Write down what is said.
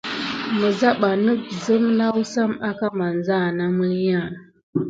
Mizabanih zime nasam aka masaha na məlinya an.